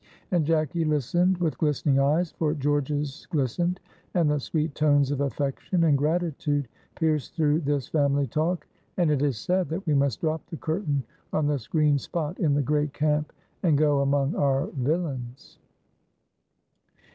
And Jacky listened with glistening eyes, for George's glistened, and the sweet tones of affection and gratitude pierced through this family talk, and it is sad that we must drop the curtain on this green spot in the great camp and go among our villains.